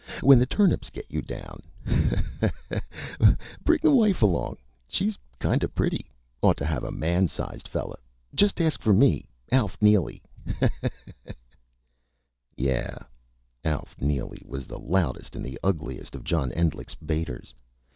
When the turnips get you down! Haw haw haw! Bring the wife along.... She's kinda pretty. Ought to have a man size fella.... Just ask for me Alf Neely! Haw haw haw!" Yeah, Alf Neely was the loudest and the ugliest of John Endlich's baiters.